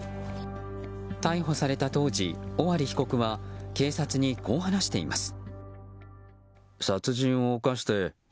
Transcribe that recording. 逮捕された当時、尾張被告は警察にこう話しています。